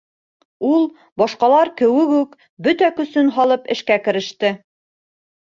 Ул, башҡалар кеүек үк, бөтә көсөн һалып эшкә кереште.